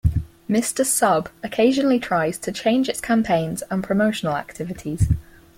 Mr.Sub occasionally tries to change its campaigns and promotional activities.